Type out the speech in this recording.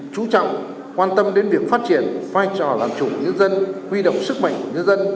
chú trọng quan tâm đến việc phát triển vai trò làm chủ nhân dân huy động sức mạnh của nhân dân